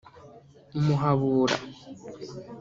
Muhabura